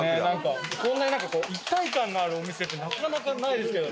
こんなに一体感のあるお店ってなかなかないですけどね。